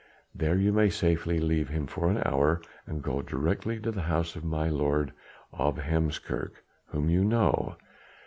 There you may safely leave him for an hour, and go directly to the house of my Lord of Heemskerk whom you know.